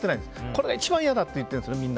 これが一番嫌だといってるんです。